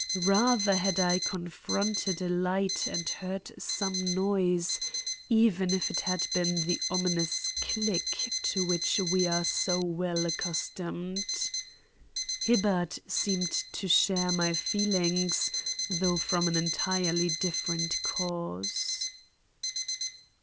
Rather had I confronted a light and heard some noise, even if it had been the ominous click to which eve are so well accustomed. Hibbard seemed to share my feelings, though from an entirely different cause.